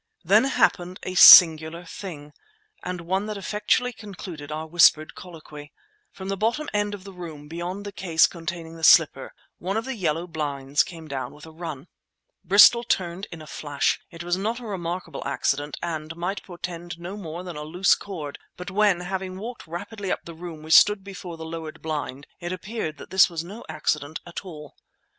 Then happened a singular thing, and one that effectually concluded our whispered colloquy. From the top end of the room, beyond the case containing the slipper, one of the yellow blinds came down with a run. Bristol turned in a flash. It was not a remarkable accident, and might portend no more than a loose cord; but when, having walked rapidly up the room, we stood before the lowered blind, it appeared that this was no accident at all.